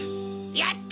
やった！